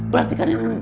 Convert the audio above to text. berarti kan ibu